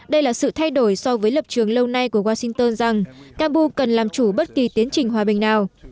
đây là sự thay đổi so với lập trường lâu nay của washington rằng kambu cần làm chủ bất kỳ tiến trình hòa bình nào